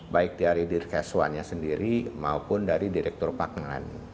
baik dari dirkeswannya sendiri maupun dari direktur pak ngan